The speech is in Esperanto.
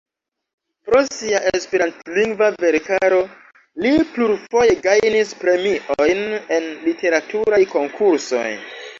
Pro sia esperantlingva verkaro li plurfoje gajnis premiojn en literaturaj konkursoj.